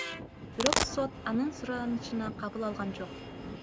Бирок сот анын суранычына кабыл алган жок.